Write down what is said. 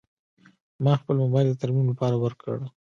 ما خپل موبایل د ترمیم لپاره ورکړ.